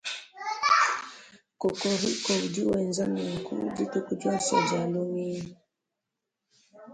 Kokoriko udi wenza nunku dituku dionso dia lumingu.